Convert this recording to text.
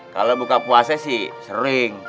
kalau buka puasa sih sering